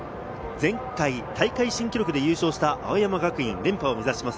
前回、大会新記録で優勝した青山学院、連覇を目指します。